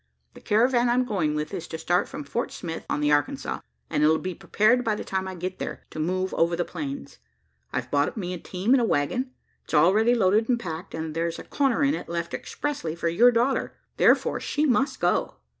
The caravan I'm going with is to start from Fort Smith on the Arkansas; and it'll be prepared by the time I get there, to move over the plains. I've bought me a team and a waggon. It's already loaded and packed; and there's a corner in it left expressly for your daughter: therefore, she must go."